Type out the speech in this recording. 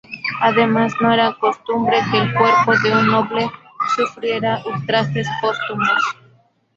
Además no era costumbre que el cuerpo de un noble sufriera ultrajes póstumos.